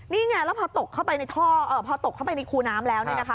นี่ไงแล้วพอตกเข้าไปในท่อพอตกเข้าไปในคูน้ำแล้วเนี่ยนะคะ